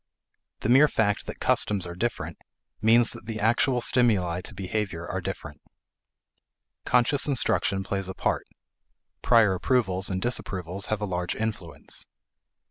The mere fact that customs are different means that the actual stimuli to behavior are different. Conscious instruction plays a part; prior approvals and disapprovals have a large influence.